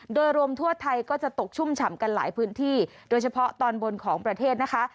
โดยรวมทั่วไทยก็จะตกชุ่มฉ่ำกันหลายพื้นที่โดยเฉพาะตอนบนของประเทศนะคะ